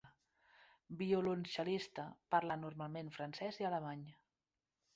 Violoncel·lista, parla normalment francès i alemany.